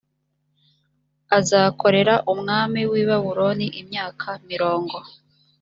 azakorera umwami w i babuloni imyaka mirongo